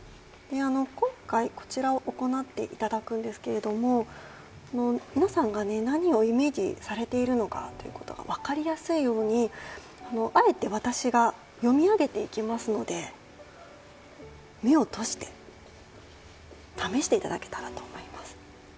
今回、こちらを行っていただくんですけれども皆さんが何をイメージされているのかが分かりやすいようにあえて私が読み上げていきますので目を閉じて試していただけたらと思います。